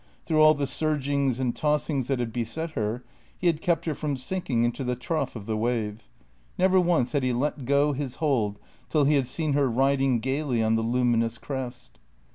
Through all the surgings and tossings that had beset her he had kept her from sinking into the trough of the wave. Never once had he let go his hold till he had seen her riding gaily on the luminous crest.